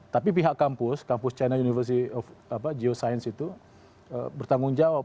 tapi pihak kampus kampus china university of geoscience itu bertanggung jawab